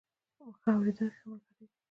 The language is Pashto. ښه اورېدونکي ښه ملګري دي.